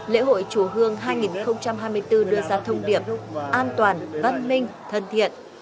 lễ hội chùa hương hai nghìn hai mươi bốn đưa ra thông điệp an toàn văn minh thân thiện